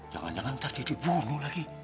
jangan jangan ntar dia dibunuh lagi